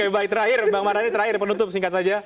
bang maradi terakhir penutup singkat saja